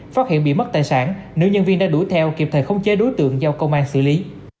phát hiện bị mất tài sản nữ nhân viên đã đuổi theo kịp thời khống chế đối tượng do công an xử lý